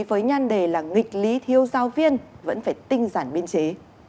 với nhan đề là nghịch lý thiếu giáo viên vẫn phải tinh giản biên chế